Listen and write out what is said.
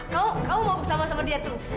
kamu mau bersama sama dia terus